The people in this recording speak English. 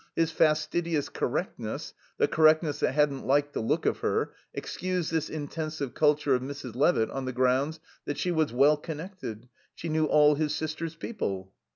His fastidious correctness, the correctness that hadn't "liked the look of her," excused this intensive culture of Mrs. Levitt on the grounds that she was "well connected"; she knew all his sister's people.